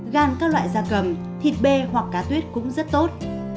gan các loại da cầm thịt b hoặc cá tuyết cũng rất tốt